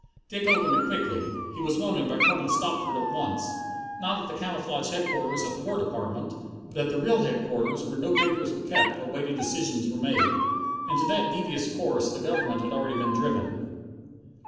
Dick opened it quickly. He was wanted by Colonel Stopford at once, not at the camouflaged Headquarters at the War Department, but at the real Headquarters where no papers were kept but weighty decisions were made. And to that devious course the Government had already been driven.